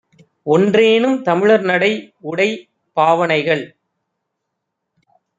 ஒன்றேனும் தமிழர்நடை யுடைபாவ னைகள்